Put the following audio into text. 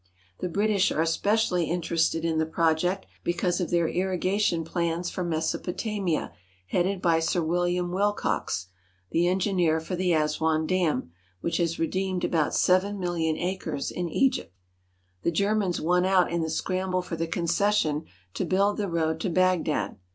The British are especially interested in the project because of their irrigation plans for Mesopotamia headed by Sir William Willcocks, the engineer for the Aswan Dam, which has redeemed about seven million acres in Egypt. The Germans won out in the scramble for the concession to build the road to Bagdad.